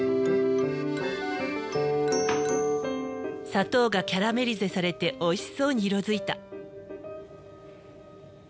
砂糖がキャラメリゼされておいしそうに色づいた。